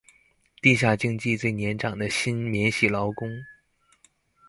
地下經濟最年長的新免洗勞工